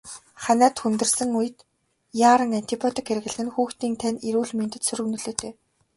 Ханиад хүндэрсэн үед яаран антибиотик хэрэглэх нь хүүхдийн тань эрүүл мэндэд сөрөг нөлөөтэй.